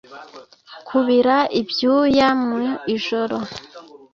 kubira ibyuya mu ijoro